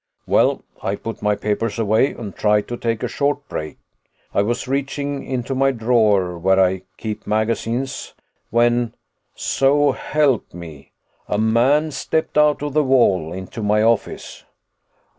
"Well, I put my papers away and tried to take a short break. I was reaching into my drawer where I keep magazines when, so help me, a man stepped out of the wall into my office."